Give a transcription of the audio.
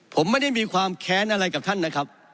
ผมไม่ได้มีความแค้นอะไรกับท่านนะครับ